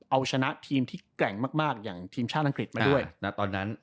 เอาชนะทีมที่แกร่งมากอย่างทีมชาติอังกฤษมาด้วยนะตอนนั้น